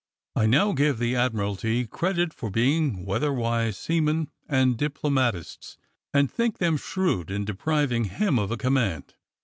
I now give the Admiralty credit for being weatherwise seamen and diplomatists, and think them shrewd in depriving him of a * command.'